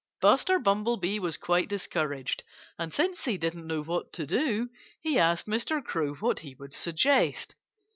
Buster Bumblebee was quite discouraged. And since he didn't know what to do, he asked Mr. Crow what he would suggest.